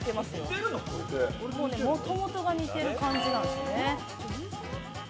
もともとが似てる感じなんですよね。